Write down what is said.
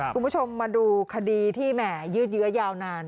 คุณผู้ชมมาดูคดีที่แห่ยืดเยื้อยาวนาน